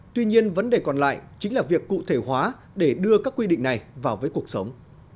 tuy nhiên vấn đề còn lại chính là việc cụ thể hóa để đưa các quy định này vào với cuộc sống